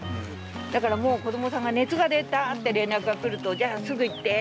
だからもう子どもさんが熱が出たって連絡が来るとじゃあすぐ行ってって。